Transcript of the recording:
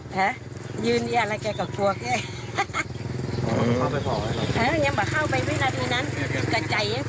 ห๊ะยืนอย่างไรแกก็กลัวแก